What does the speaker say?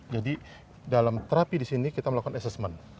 jadi dalam terapi di sini kita melakukan assessment